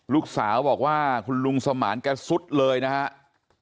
ลูกสาวบอกว่าคุณลุงสมานแกสุดเลยนะครับ